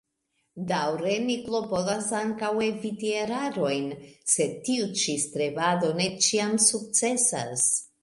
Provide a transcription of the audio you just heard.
Daŭre ni klopodas ankaŭ eviti erarojn, sed tiu ĉi strebado ne ĉiam sukcesas.